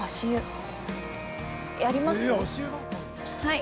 ◆はい。